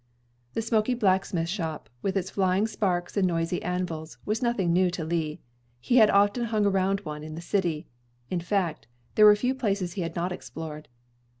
The smoky blacksmith shop, with its flying sparks and noisy anvils, was nothing new to Lee. He had often hung around one in the city. In fact, there were few places he had not explored.